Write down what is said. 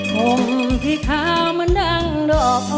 ผมที่ขาวมันดังดอก